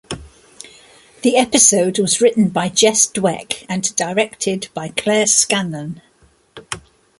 The episode was written by Jess Dweck and directed by Claire Scanlon.